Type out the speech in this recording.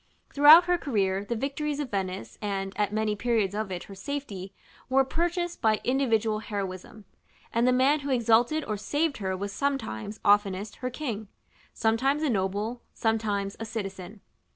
§ VII. Throughout her career, the victories of Venice, and, at many periods of it, her safety, were purchased by individual heroism; and the man who exalted or saved her was sometimes (oftenest) her king, sometimes a noble, sometimes a citizen.